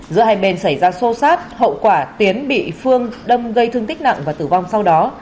giữa hai bên xảy ra xô xát hậu quả tiến bị phương đâm gây thương tích nặng và tử vong sau đó